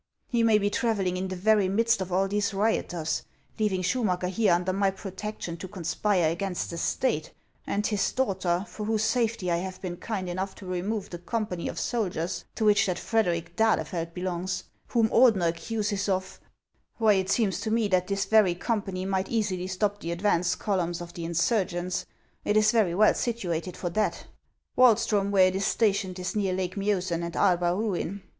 He may be travelling in the very midst of all these rioters, leaving Schumacker here under my protection to conspire against the State, and his daughter, for whose safety I have been kind enough to remove the company of soldiers to which that Frederic d'Ahiefeld belongs, whom Ordener accuses of — Why, it seems to me that this very company might easily stop the advance columns of the insurgents ; it is very well situated for that. Wahlstrom, where it is sta tioned, is near Lake Miosen and Arbar ruin.